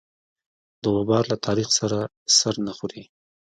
د غبار له تاریخ سره سر نه خوري.